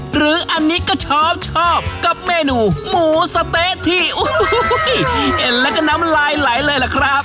หรืออันนี้ก็ชอบชอบกับเมนูหมูสะเต๊ะที่เห็นแล้วก็น้ำลายไหลเลยล่ะครับ